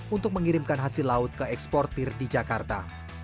untuk mengirimkan hasil laut ke eksportir di jakarta